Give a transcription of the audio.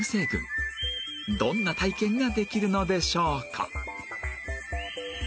どんな体験ができるのでしょうか？